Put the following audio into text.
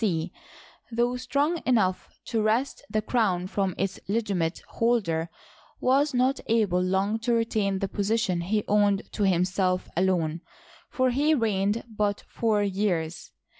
C), though strong enough to wrest the crown from its legitimate holder, was not able long to retain the position he owed to himself alone ; for he reigned but four years.